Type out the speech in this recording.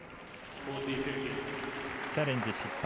チャレンジ失敗。